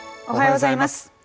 おはようございます。